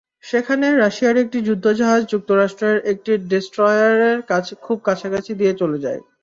সেখানে রাশিয়ার একটি যুদ্ধজাহাজ যুক্তরাষ্ট্রের একটি ডেস্ট্রয়ারের খুব কাছাকাছি দিয়ে চলে যায়।